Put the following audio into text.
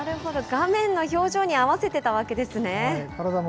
画面の表情に合わせてたわけですね。